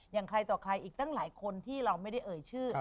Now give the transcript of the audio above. อย่างใครต่อใครอีกตั้งหลายคนที่เราไม่ได้เอ่ยชื่อ